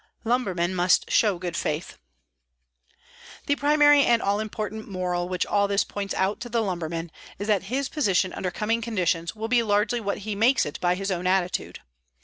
LUMBERMAN MUST SHOW GOOD FAITH The primary and all important moral which all this points out to the lumberman is that his position under coming conditions will be largely what he makes it by his own attitude.